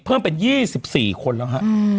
เพิ่มไป๒๔คนแล้ว